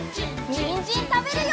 にんじんたべるよ！